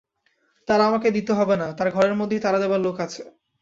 তাড়া আমাকে দিতে হবে না, তার ঘরের মধ্যেই তাড়া দেবার লোক আছে।